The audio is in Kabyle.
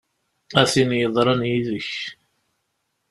A tin yeḍran yid-k!